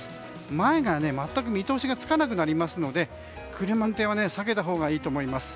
前が全く見通しがつかなくなりますので車の運転は避けたほうがいいと思います。